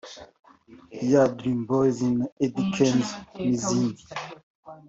ya Dream Boyz na Eddy Kenzo n’izindi